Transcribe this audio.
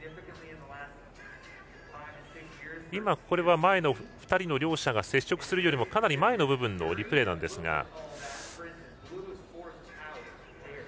これは前の２人が接触するよりもかなり前の部分のリプレイでしたが。